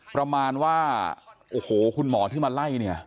ประมาณว่าโอ้โหคุณหมอที่มาไล่เนี่ย